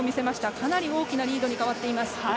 かなり大きなリードに変わっています。